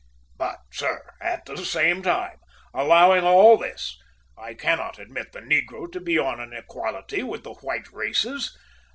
But, sir, at the same time, allowing all this, I cannot admit the negro to be on an equality with the white races.